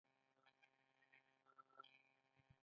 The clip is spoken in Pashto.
د بدن د ویښتو لپاره کوم پوډر وکاروم؟